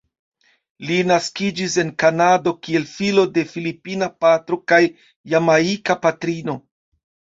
Li naskiĝis en Kanado kiel filo de filipina patro kaj jamajka patrino.